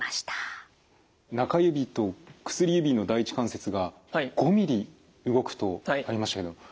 中指と薬指の第一関節が５ミリ動くとありましたけど。